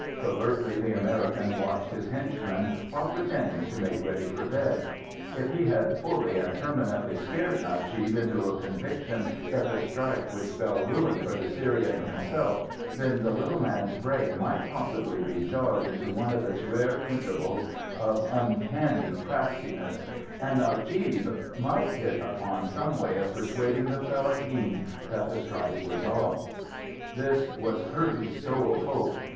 Covertly the American watched his henchman while pretending to make ready for bed. If he had fully and permanently scared Najib into a conviction that the strike would spell ruin for the Syrian himself, then the little man's brain might possibly be jarred into one of its rare intervals of uncanny craftiness; and Najib might hit upon some way of persuading the fellaheen that the strike was off. This was Kirby's sole hope.